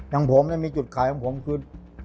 ทั้งผมมีจุดข่ายของผมคือ